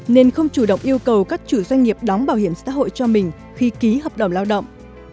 nên không chủ động yêu cầu các chủ doanh nghiệp đóng bảo hiểm xã hội cho mình khi ký hợp đồng lao động